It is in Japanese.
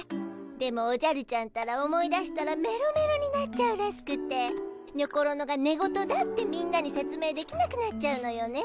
でもおじゃるちゃんったら思い出したらメロメロになっちゃうらしくてにょころのが寝言だってみんなに説明できなくなっちゃうのよね。